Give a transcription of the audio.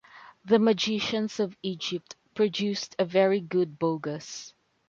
The Magicians of Egypt produced a very good bogus.